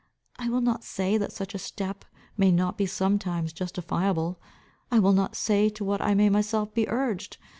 I will not say that such a step may not be sometimes justifiable. I will not say to what I may myself be urged.